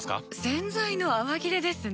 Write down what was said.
洗剤の泡切れですね。